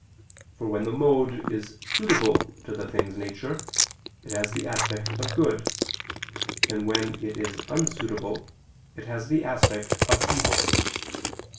For when the mode is suitable to the thing's nature, it has the aspect of good: and when it is unsuitable, it has the aspect of evil.